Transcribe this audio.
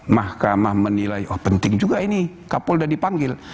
mahkamah menilai oh penting juga ini kapolda dipanggil